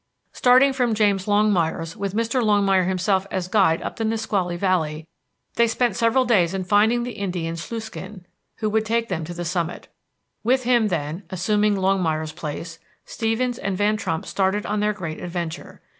Starting from James Longmire's with Mr. Longmire himself as guide up the Nisqually Valley, they spent several days in finding the Indian Sluiskin, who should take them to the summit. With him, then, assuming Longmire's place, Stevens and Van Trump started on their great adventure.